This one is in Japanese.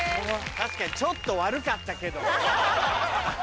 確かにちょっと悪かったけど。